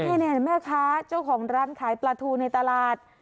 นี่แม่ค้าเจ้าของร้านขายปลาทูในตลาด